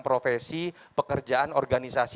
profesi pekerjaan organisasi